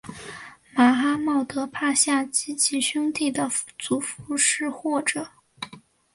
马哈茂德帕夏及其兄弟的祖父是或者。